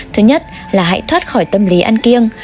thứ nhất là hãy thoát khỏi tâm lý ăn kiêng